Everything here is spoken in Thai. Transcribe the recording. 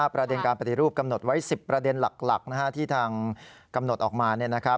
ประเด็นการปฏิรูปกำหนดไว้๑๐ประเด็นหลักที่ทางกำหนดออกมา